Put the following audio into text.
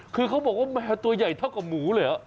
คือเขาบอกว่าแมวตัวใหญ่เท่ากับหมูเลยเหรอ